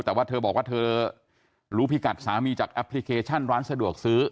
แต่ว่าเธอบอกว่าเธอรู้พิกัดสามีจากแอปพลิเคชันร้านสะดวกซื้อ